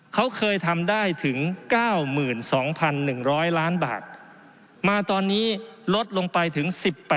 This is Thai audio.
เขาเคยทำได้ถึง๙๒๑๐๐ล้านบาทมาตอนนี้ลดลงไปถึง๑๘